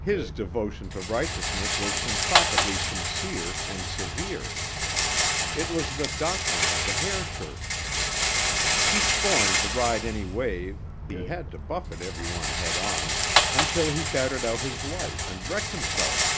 His devotion to righteousness was implacably sincere and severe. It was the doctrine of the hair shirt. He scorned to ride any wave ... he had to buffet every one head on ... until he battered out his life and wrecked himself."